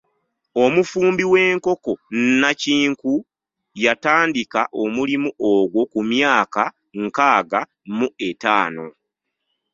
Omufumbi w'enkoko nnakinku yatandika omulimu ogwo ku myaka nkaaga mu etaano.